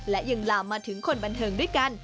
และยังลามมาถึงคนบันเทิงด้วยกัน